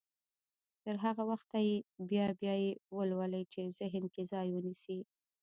تر هغه وخته يې بيا بيا يې ولولئ چې ذهن کې ځای ونيسي.